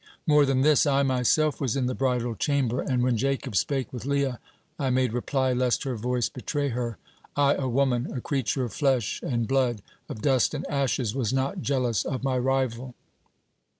More than this, I myself was in the bridal chamber, and when Jacob spake with Leah, I made reply, lest her voice betray her. I, a woman, a creature of flesh and blood, of dust and ashes, was not jealous of my rival.